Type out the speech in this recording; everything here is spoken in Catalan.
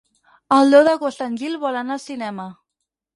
El deu d'agost en Gil vol anar al cinema.